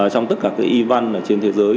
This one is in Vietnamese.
trong tất cả cái event trên thế giới